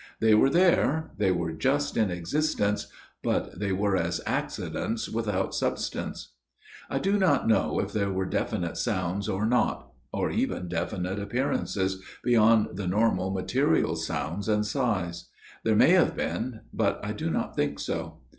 They were there they were just in existence ; but they were as accidents without substance. " I do not know if there were definite sounds or not or even definite appearances beyond the normal material sounds and sights. There may have been ; but I do not think so.